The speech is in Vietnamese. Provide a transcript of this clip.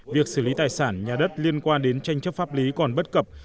việc xử lý tài sản nhà đất liên quan đến tranh chấp pháp lý còn bất cập